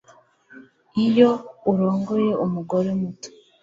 iyo urongoye umugore muto